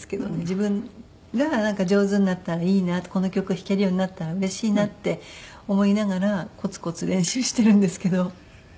自分が上手になったらいいなこの曲弾けるようになったらうれしいなって思いながらコツコツ練習してるんですけど。